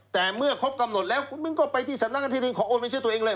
แต่เมื่อครบกำหนดแล้วคุณมิ้นก็ไปที่สำนักงานที่ดินขอโอนไปชื่อตัวเองเลย